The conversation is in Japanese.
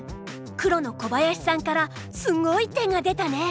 黒の小林さんからすごい手が出たね。